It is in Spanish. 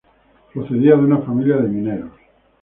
Procedía de una familia de mineros.